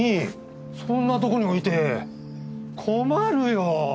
そんなとこに置いて困るよ！